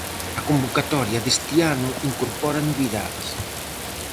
A convocatoria deste ano incorpora novidades.